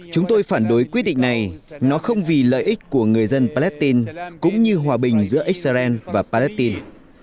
chúng tôi phản đối quyết định này nó không vì lợi ích của người dân palestine cũng như hòa bình giữa israel và palestine